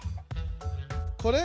これ？